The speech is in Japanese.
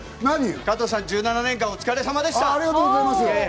加藤さん、１７年間、お疲れさまでした！